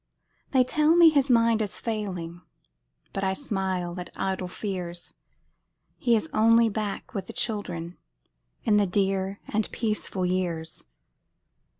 They tell me his mind is failing, But I smile at idle fears; He is only back with the children, In the dear and peaceful years.